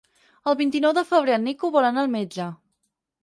El vint-i-nou de febrer en Nico vol anar al metge.